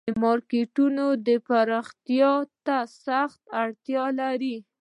دا مارکیټونه پراختیا ته سخته اړتیا لري